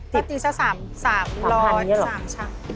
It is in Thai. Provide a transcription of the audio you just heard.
ประตูจะ๓๐๐